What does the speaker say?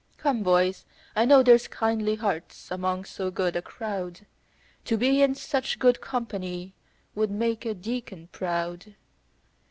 "Come, boys, I know there's kindly hearts among so good a crowd To be in such good company would make a deacon proud.